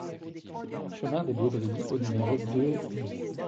Chemin des Beaudries au numéro deux BIS